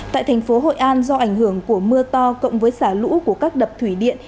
tại thành phố hội an do ảnh hưởng của mưa to cộng với xả lũ của các đập thủy điện